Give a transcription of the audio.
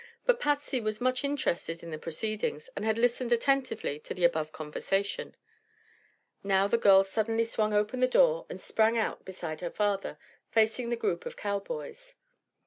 But Patsy was much interested in the proceedings and had listened attentively to the above conversation. Now the girl suddenly swung open the door and sprang out beside her father, facing the group of cowboys.